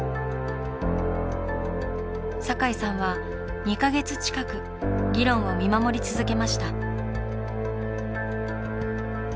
堺さんは２か月近く議論を見守り続けました。